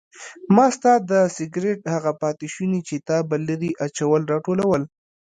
ما ستا د سګرټ هغه پاتې شوني چې تا به لرې اچول راټولول.